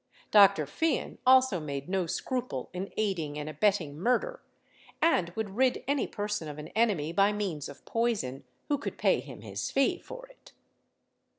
Dr. Fian also made no scruple in aiding and abetting murder, and would rid any person of an enemy by means of poison, who could pay him his fee for it.